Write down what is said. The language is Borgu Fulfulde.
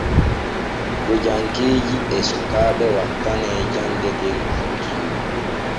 Gojankeeji e sukaaɓe wattanee jande der hakkillo.